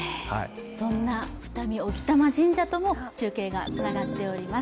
そんな二見興玉神社とも中継がつながっております。